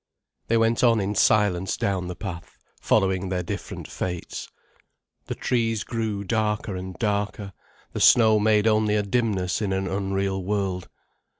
They went on in silence down the path, following their different fates. The trees grew darker and darker, the snow made only a dimness in an unreal world.